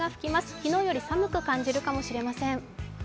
昨日より寒く感じるかもしれません。